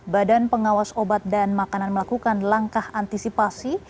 badan pengawas obat dan makanan melakukan langkah antisipasi